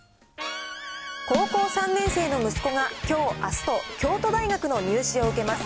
高校３年生の息子が、きょう、あすと京都大学の入試を受けます。